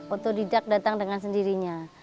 otodidak datang dengan sendirinya